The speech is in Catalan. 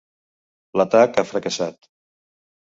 L'atac ha fracassat.